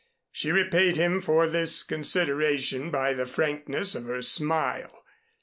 She repaid him for this consideration by the frankness of her smile.